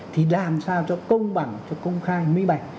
thì làm sao cho công bằng cho công khai minh bạch